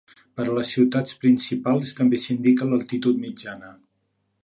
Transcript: Per a les ciutats principals, també s'indica l'altitud mitjana.